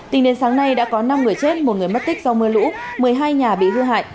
tính đến sáng nay đã có năm người chết một người mất tích do mưa lũ một mươi hai nhà bị hư hại